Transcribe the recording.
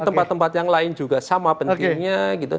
tempat tempat yang lain juga sama pentingnya